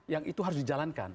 yang itu harus dijalankan